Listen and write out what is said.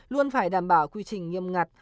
luôn phải đảm bảo quy trình nghiêm ngặt